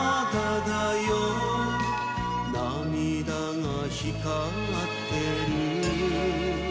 「涙が光ってる」